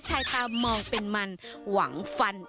ชายตามองเป็นมันหวังฟัน